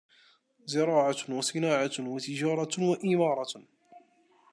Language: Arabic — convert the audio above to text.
زِرَاعَةٌ وَصِنَاعَةٌ وَتِجَارَةٌ وَإِمَارَةٌ